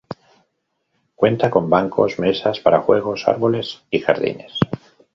Cuenta con bancos, mesas para juegos, árboles y jardines.